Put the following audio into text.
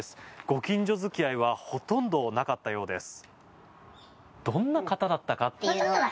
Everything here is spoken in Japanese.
ご近所付き合いはほとんどなかったようです。